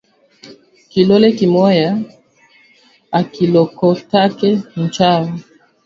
Kilole kimoya akilokotake nchawa